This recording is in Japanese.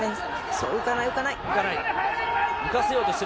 そう、浮かない、浮かない。